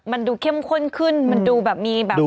มันดูเข้มข้นขึ้นมันดูแบบมีแบบ